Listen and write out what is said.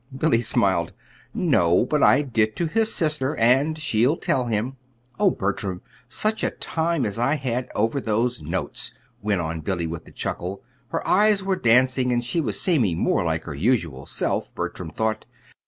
Billy smiled. "No; but I did to his sister, and she'll tell him. Oh, Bertram, such a time as I had over those notes," went on Billy, with a chuckle. Her eyes were dancing, and she was seeming more like her usual self, Bertram thought.